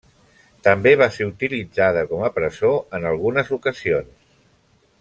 També va ser utilitzada com a presó en algunes ocasions.